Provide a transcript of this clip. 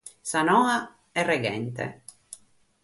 Sa noa est reghente.